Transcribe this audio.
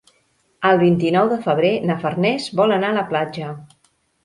El vint-i-nou de febrer na Farners vol anar a la platja.